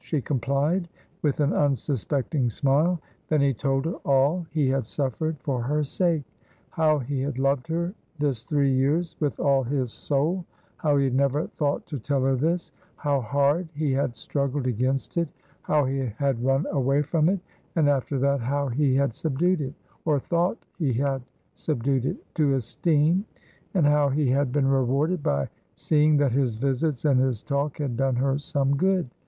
She complied with an unsuspecting smile. Then he told her all he had suffered for her sake; how he had loved her this three years with all his soul how he never thought to tell her this how hard he had struggled against it how he had run away from it, and after that how he had subdued it, or thought he had subdued it, to esteem and how he had been rewarded by seeing that his visits and his talk had done her some good.